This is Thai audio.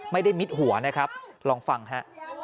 ไม่ได้มิดหัวนะครับลองฟังฮะ